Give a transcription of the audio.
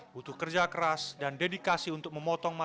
butuh kerja keras dan dedikasi untuk memotong masyarakat